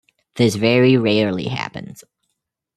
This very rarely happens.